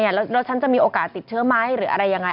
แล้วฉันจะมีโอกาสติดเชื้อไหมหรืออะไรยังไง